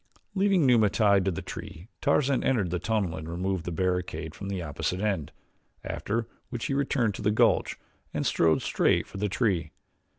Leaving Numa tied to the tree Tarzan entered the tunnel and removed the barricade from the opposite end, after which he returned to the gulch and strode straight for the tree.